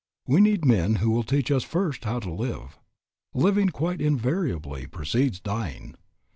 We need men who will teach us first how to live. Living quite invariably precedes dying.